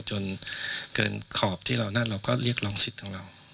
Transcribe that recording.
จนเกินขอบที่เรานั่นเราก็เรียกร้องสิทธิ์ของเรา